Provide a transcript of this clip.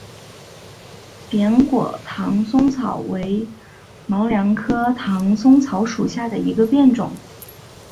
扁果唐松草为毛茛科唐松草属下的一个变种。